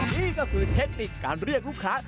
นี่ก็คือเทคนิคการเรียกลูกค้า